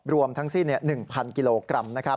รวมทั้งสิ้น๑๐๐๐กิโลกรัม